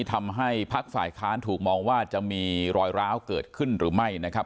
ทำให้พักฝ่ายค้านถูกมองว่าจะมีรอยร้าวเกิดขึ้นหรือไม่นะครับ